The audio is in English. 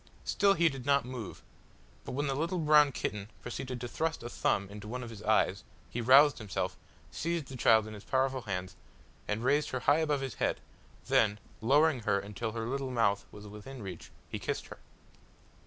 Still he did not move, but when the little brown kitten proceeded to thrust a thumb into one of his eyes, he roused himself, seized the child in his powerful hands, and raised her high above his head; then, lowering her until her little mouth was within reach, he kissed her.